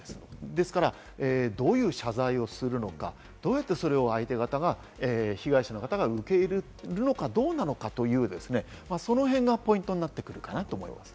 ですから、どういう謝罪をするのか、どうやってそれを相手方が被害者の方が受け入れるのかどうなのかというそのへんがポイントになってくるかなと思います。